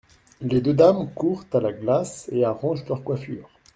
Les deux dames courent à la glace et arrangent leur coiffure.